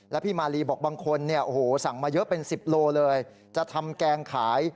และพี่มารีบอกบางคนอาจสั่งเยอะเป็น๑๐โลเลยจะทำแกงขาย